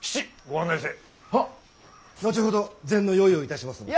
後ほど膳の用意をいたしますので。